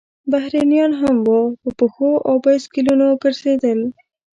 بهرنیان هم وو، په پښو او بایسکلونو ګرځېدل.